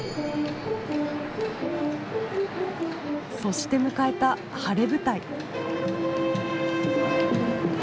そして迎えた晴れ舞台。